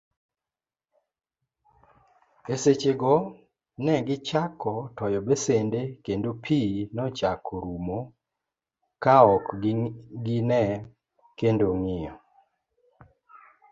E sechego, negichako toyo besende kendo pii nochako rumo kaok gine kendo ng'iyo.